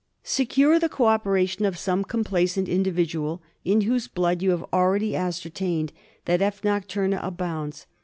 Secure the co operation of some complacent individual in whose blood you have already ascertained that F. nociuma abounds.